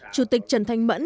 chủ tịch trần thanh mẫn